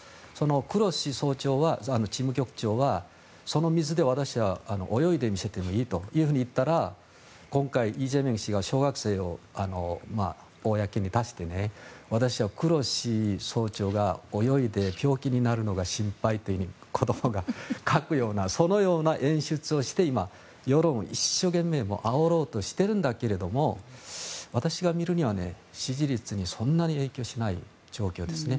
グロッシ事務局長はその水で私は泳いでみせてもいいと言ったら今回、イ・ジェミョン氏が小学生を公に出して私はグロッシ事務局長が泳いで病気になるのが心配というふうに子どもが書くようなそのような演出をして今、世論を一生懸命あおろうとしてるんだけど私が見るには、支持率にそんなに影響しない状況ですね。